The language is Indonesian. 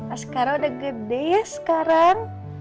askara udah gede ya sekarang